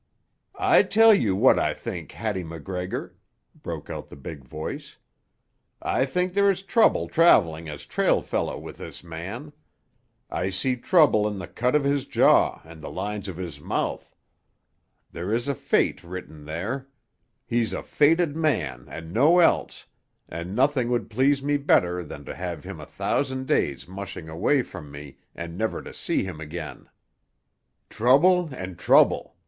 "I tell you what I think, Hattie MacGregor," broke out the big voice. "I think there is trouble travelling as trail fellow with this man. I see trouble in the cut of his jaw and the lines of his mouth. There is a fate written there; he's a fated man and no else, and nothing would please me better than to have him a thousand days mushing away from me and never to see him again. Trouble and trouble!